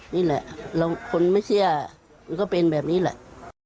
นี่แหละคนไม่เชื่อมันก็เป็นแบบนี้แหละ